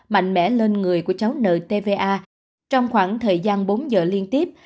mạnh mẽ lên người của cháu nợ tva trong khoảng thời gian bốn giờ liên tiếp